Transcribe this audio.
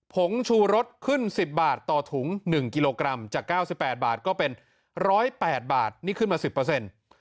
งชูรสขึ้น๑๐บาทต่อถุง๑กิโลกรัมจาก๙๘บาทก็เป็น๑๐๘บาทนี่ขึ้นมา๑๐เปอร์เซ็นต์